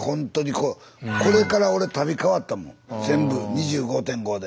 これから俺足袋かわったもん全部２５．５で。